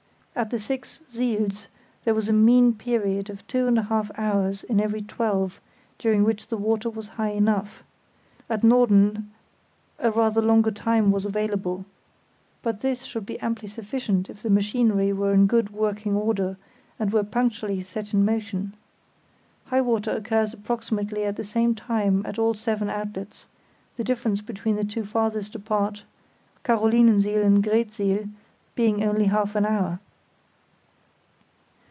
At the six siels there was a mean period of two and a half hours in every twelve, during which the water was high enough. At Norden a rather longer time was available. But this should be amply sufficient if the machinery were in good working order and were punctually set in motion. High water occurs approximately at the same time at all seven outlets, the difference between the two farthest apart, Carolinensiel and Greetsiel, being only half an hour.